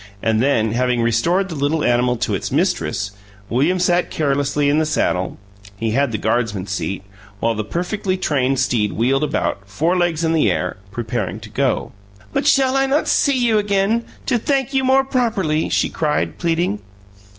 And then, having restored the little animal to its mistress, William sat carelessly in the saddle (he had the Guardsman's seat) while the perfectly trained steed wheeled about, forelegs in the air, preparing to go. "But shall I not see you again, to thank you more properly?" she cried, pleading.